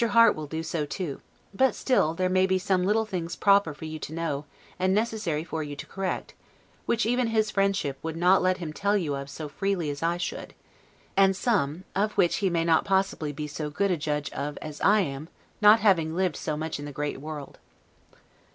Harte will do so too; but still there may be some little things proper for you to know, and necessary for you to correct, which even his friendship would not let him tell you of so freely as I should; and some, of which he may not possibly be so good a judge of as I am, not having lived so much in the great world.